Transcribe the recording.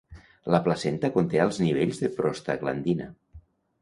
La placenta conté alts nivells de prostaglandina.